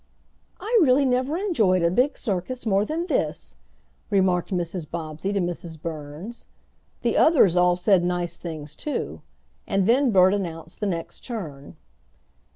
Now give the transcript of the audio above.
"I really never enjoyed a big circus more than this!" remarked Mrs. Bobbsey to Mrs. Burns. The others all said nice things too; and then Bert announced the next turn.